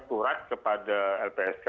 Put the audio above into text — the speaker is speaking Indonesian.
surat kepada lpsk